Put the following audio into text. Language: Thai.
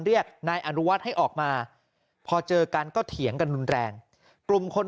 เรียกนายอนุวัฒน์ให้ออกมาพอเจอกันก็เถียงกันรุนแรงกลุ่มคน